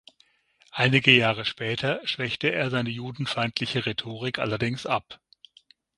Einige Jahre später schwächte er seine judenfeindliche Rhetorik allerdings ab.